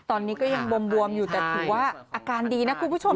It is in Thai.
ตอนนี้ก็ยังบวมอยู่แต่ถือว่าอาการดีนะคุณผู้ชม